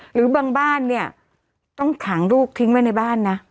หรือบางบ้านเนี่ยต้องขังลูกทิ้งไว้ในบ้านนะ